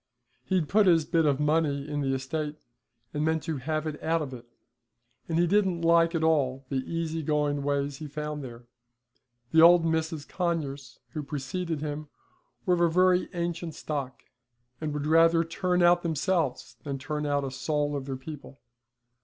He'd put his bit of money in the estate and meant to have it out of it, and he didn't like at all the easy going ways he found there. The old Misses Conyers who preceded him were of a very ancient stock, and would rather turn out themselves than turn out a soul of their people.